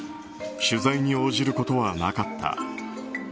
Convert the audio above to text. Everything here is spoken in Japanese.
取材に応じることはなかった。